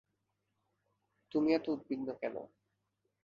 তুমি এতো উদ্বিগ্ন কেন?